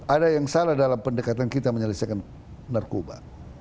ada yang salah dalam pendekatan kita menyelesaikan narkoba